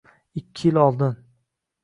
ikki yil oldin